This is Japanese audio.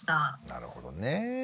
なるほどねえ。